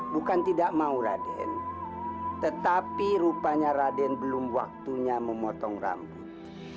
bukan tidak mau raden tetapi rupanya raden belum waktunya memotong rambut